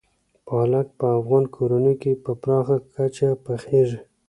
پالک په افغان کورنیو کې په پراخه کچه پخېږي.